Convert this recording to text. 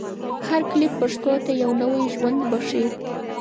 هر کلیپ پښتو ته یو نوی ژوند بښي.